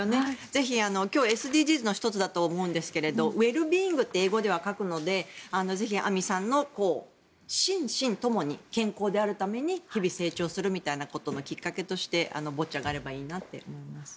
ぜひ、今日ＳＤＧｓの１つだと思うんですがウェルビーイングって英語では書くのでぜひあみさんの心身ともに健康であるために日々成長するみたいなことのきっかけとしてボッチャがあればいいなって思います。